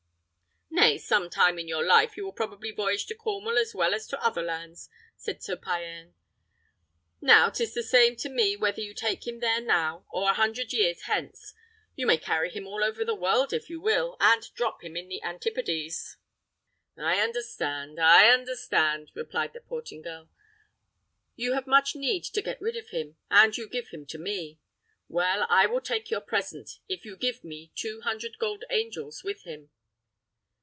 "Nay, some time in your life you will probably voyage to Cornwall as well as to other lands," said Sir Payan. "Now, 'tis the same to me whether you take him there now or a hundred years hence: you may carry him all over the world if you will, and drop him at the antipodes." "I understand, I understand," replied the Portingal; "you have much need to get rid of him, and you give him to me. Well, I will take your present, if you give me two hundred golden angels with him."